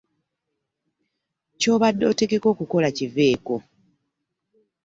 Ky'obadde otegeka okukola kiveeko.